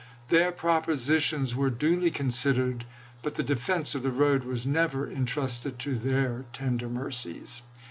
Their propositions were duly considered ; but the defense of the road was never intrusted to their tender mercies.